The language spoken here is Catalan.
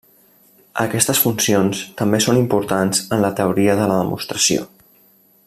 Aquestes funcions també són importants en Teoria de la demostració.